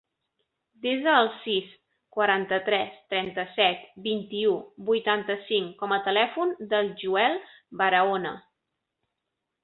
Desa el sis, quaranta-tres, trenta-set, vint-i-u, vuitanta-cinc com a telèfon del Joel Barahona.